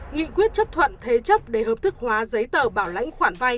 nghị quyết chấp thuận thế chấp để hợp thức hóa giấy tờ bảo lãnh khoản vay